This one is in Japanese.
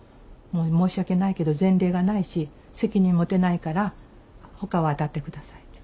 「申し訳ないけど前例がないし責任持てないからほかをあたって下さい」って。